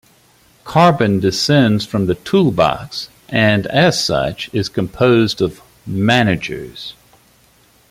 Carbon descends from the Toolbox, and as such, is composed of "Managers".